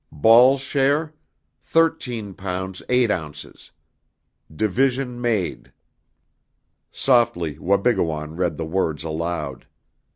Ball's share, 13 pounds, 8 ounces. Division made." Softly Wabigoon read the words aloud.